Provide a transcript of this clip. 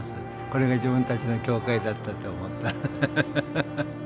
これが自分たちの教会だったと思ったら。